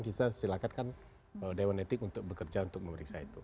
kita silakan kan dewan etik untuk bekerja untuk memeriksa itu